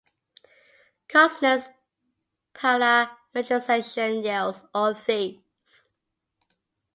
Kusner's parametrization yields all these.